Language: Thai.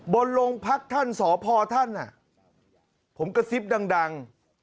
บนโรงพักท่านสพท่านผมกระซิบดัง